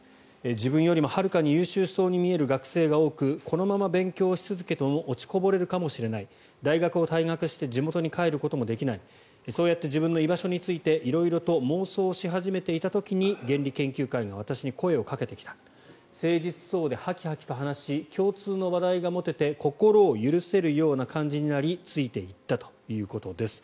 自分よりもはるかに優秀そうに見える学生が多くこのまま勉強し続けても落ちこぼれるかもしれない大学を退学して地元に帰ることもできないそうやって自分の居場所について色々と妄想し始めていた時に原理研究会が私に声をかけてきた誠実そうではきはきと話し共通の話題が持てて心を許せるような感じになりついていったということです。